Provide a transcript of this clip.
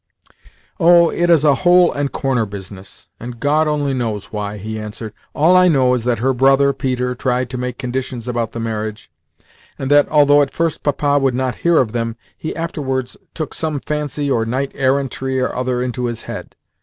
"Oh, it is a hole and corner business, and God only knows why," he answered. "All I know is that her brother, Peter, tried to make conditions about the marriage, and that, although at first Papa would not hear of them, he afterwards took some fancy or knight errantry or another into his head.